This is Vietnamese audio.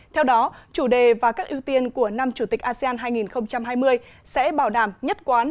theo đó chủ đề và các ưu tiên của năm chủ tịch asean hai nghìn hai mươi sẽ bảo đảm nhất quán